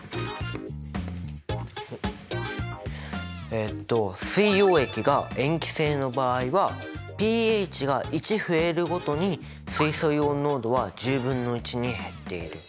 えっと水溶液が塩基性の場合はｐＨが１増えるごとに水素イオン濃度は１０分の１に減っている。